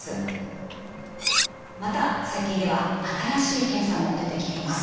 また最近では新しい検査も出てきています。